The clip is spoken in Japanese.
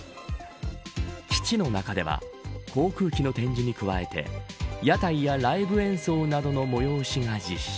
基地の中では航空機の展示に加えて屋台やライブ演奏などの催しが実施。